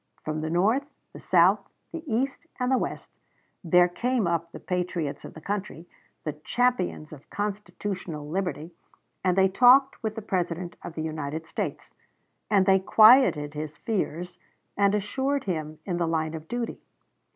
From the north, the south, the east, and the west there came up the patriots of the country, the champions of constitutional liberty, and they talked with the President of the United States, and they quieted his fears and assured him in the line of duty.